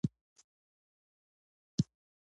د یوسف په سریال کې د جناب انخماخو رول ډېر خوندور دی.